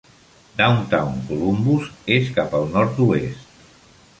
Downtown Columbus és cap al nord-oest.